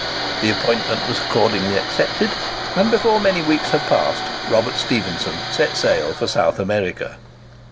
The appointment was accordingly accepted, and, before many weeks had passed, Robert Stephenson set sail for South America.